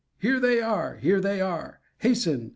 Here they are! Here they are! Hasten!